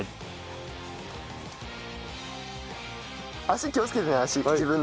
足気をつけてね。